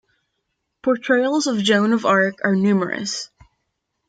Portrayals of Joan of Arc are numerous.